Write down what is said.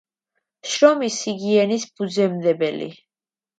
შრომის ჰიგიენის ფუძემდებელი.